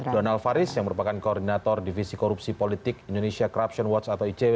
donald faris yang merupakan koordinator divisi korupsi politik indonesia corruption watch atau icw